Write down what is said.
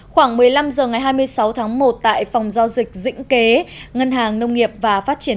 khoảng một mươi năm h ngày hai mươi sáu tháng một tại phòng giao dịch dĩnh kế ngân hàng nông nghiệp và phát triển